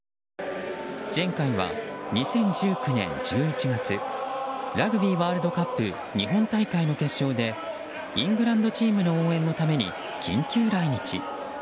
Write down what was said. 前回は２０１９年１１月ラグビーワールドカップ日本大会の決勝でイングランドチームの応援のために緊急来日。